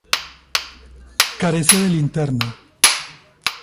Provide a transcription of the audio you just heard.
Carece de linterna.